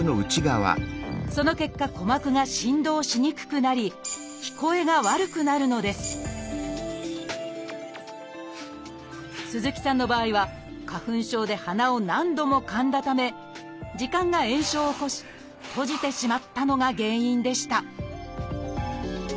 その結果鼓膜が振動しにくくなり聞こえが悪くなるのです鈴木さんの場合は花粉症で鼻を何度もかんだため耳管が炎症を起こし閉じてしまったのが原因でした